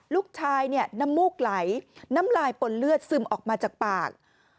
ลูกชายเนี่ยน้ำมูกไหลน้ำลายปนเลือดซึมออกมาจากปาก